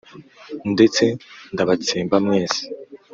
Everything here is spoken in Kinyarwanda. Ndetse ndabatsemba mwese.»